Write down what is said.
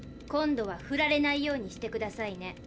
今度はふられないようにしてくださいね。